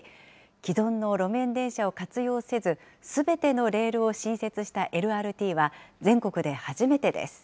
既存の路面電車を活用せず、すべてのレールを新設したＬＲＴは、全国で初めてです。